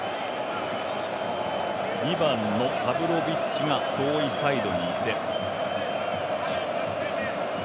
２番のパブロビッチが遠いサイドにいて。